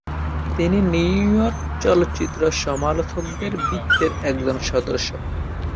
তিনি নিউইয়র্ক চলচ্চিত্র সমালোচকদের বৃত্তের একজন সদস্য।